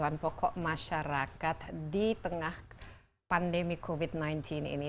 yang bisnisnya min fingerprints ini